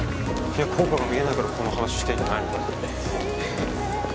効果が見えないからこの話してんじゃないのかよ